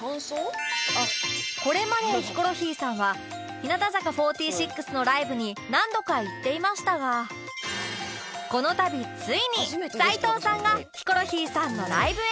これまでヒコロヒーさんは日向坂４６のライブに何度か行っていましたがこの度ついに齊藤さんがヒコロヒーさんのライブへ！